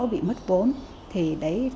bị mất vốn thì đấy